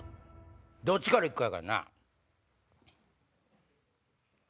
どっちから行くかやからな。